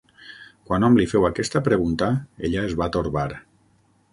Quan hom li feu aquesta pregunta, ella es va torbar.